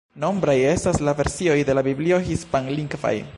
Nombraj estas la versioj de la Biblio hispanlingvaj.